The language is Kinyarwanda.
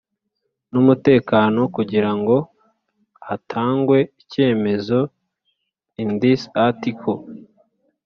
n umutekano kugira ngo hatangwe icyemezo in this Article